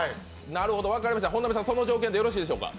本並さん、この条件でよろしいでしょうか。